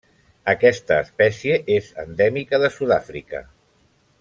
Aquesta espècie és endèmica de Sud-àfrica.